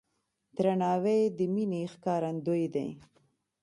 درناوی د مینې ښکارندوی دی.